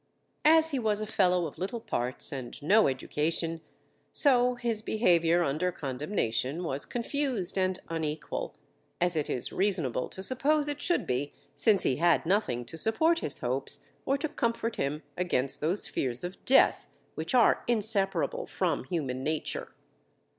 As he was a fellow of little parts and no education, so his behaviour under condemnation was confused and unequal, as it is reasonable to suppose it should be, since he had nothing to support his hopes or to comfort him against those fears of death which are inseparable from human nature.